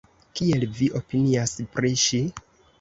Kiel vi opinias pri ŝi?